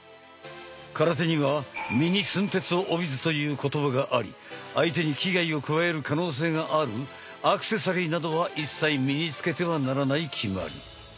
空手には「身に寸鉄を帯びず」という言葉があり相手に危害を加える可能性があるアクセサリーなどは一切身につけてはならない決まり。